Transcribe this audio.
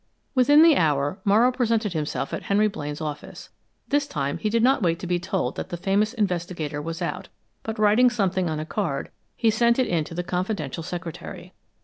Within the hour, Morrow presented himself at Henry Blaine's office. This time he did not wait to be told that the famous investigator was out, but writing something on a card, he sent it in to the confidential secretary.